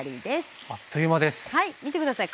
はい見て下さい。